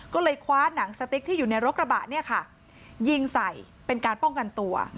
ก็เลยคว้าหนังสติ๊กที่อยู่ในรถกระบะเนี่ยค่ะยิงใส่เป็นการป้องกันตัว